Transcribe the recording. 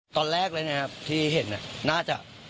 ตอนแรกเลยนะครับที่เห็นน่าจะ